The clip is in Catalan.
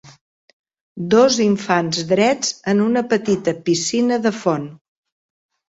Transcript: Dos infants drets en una petita piscina de font.